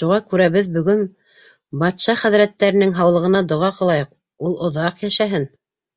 Шуға күрә беҙ бөгөн батша хәҙрәттәренең һаулығына доға ҡылайыҡ, ул оҙаҡ йәшәһен.